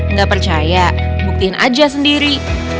nggak percaya buktiin aja sendiri